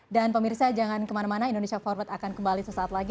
dan pemirsa jangan kemana mana indonesia forward akan kembali sesaat lagi